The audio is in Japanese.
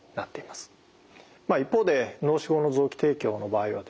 一方で脳死後の臓器提供の場合はですね